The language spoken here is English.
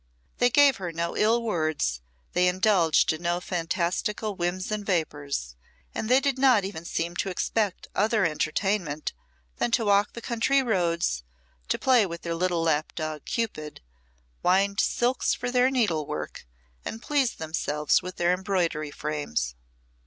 They gave her no ill words, they indulged in no fantastical whims and vapours, and they did not even seem to expect other entertainment than to walk the country roads, to play with their little lap dog Cupid, wind silks for their needlework, and please themselves with their embroidery frames.